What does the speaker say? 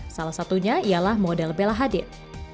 salah satunya ialah model bella hadid